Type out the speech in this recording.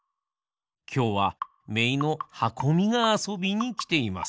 きょうはめいのはこみがあそびにきています。